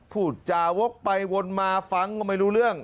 พูดจาวกไปวนมาฟังก็ไม่รู้เรื่อง